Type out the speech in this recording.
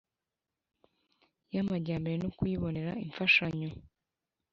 y amajyambere no kuyibonera imfashanyo